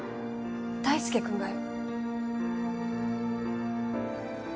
大輔君がよ。